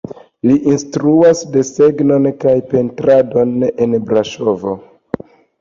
Li instruas desegnon kaj pentradon en Braŝovo.